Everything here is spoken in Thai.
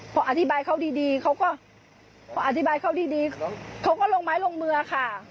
พออธิบายเขาดีเขาก็พออธิบายเขาดีเขาก็ลงไม้ลงมือค่ะ